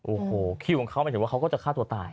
โอ้โหคิวของเขาหมายถึงว่าเขาก็จะฆ่าตัวตาย